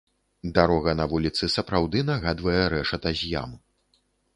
Дарога на вуліцы сапраўды нагадвае рэшата з ям.